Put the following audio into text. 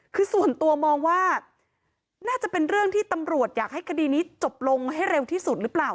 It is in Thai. คือส่วนตัวมองว่าน่าจะเป็นเรื่องที่ตำรวจอยากให้คดีนี้จบลงให้เร็วที่สุดหรือเปล่า